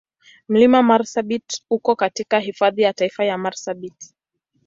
Mlima Marsabit uko katika Hifadhi ya Taifa ya Marsabit.